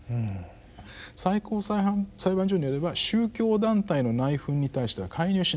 最高裁判所によれば宗教団体の内紛に対しては介入しない。